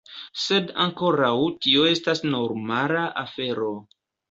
Sed ankoraŭ tio estas normala afero.